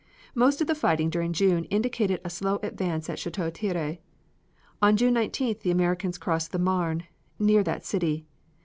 Most of the fighting during June indicated a slow advance at Chateau Thierry. On June 19th the Americans crossed the Marne, near that city.